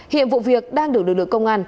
hiện vụ việc đang được đưa được công an